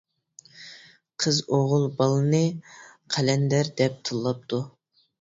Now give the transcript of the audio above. قىز ئوغۇل بالىنى قەلەندەر دەپ تىللاپتۇ.